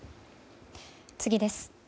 次です。